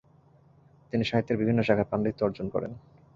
তিনি সাহিতে্যর বিভিন্ন শাখায় পান্ডিত্য অর্জন করেন।